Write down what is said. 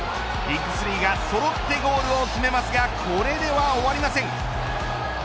ビッグ３がそろってゴールを決めますがこれでは終わりません。